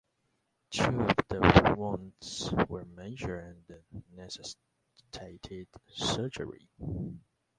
Two of the wounds were major and necessitated surgery.